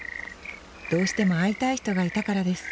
どうしても会いたい人がいたからです